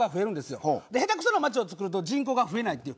下手くそな街を作ると人口が増えないっていう。